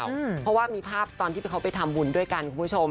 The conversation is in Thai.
เพราะว่ามีภาพตอนที่เขาไปทำบุญด้วยกันคุณผู้ชม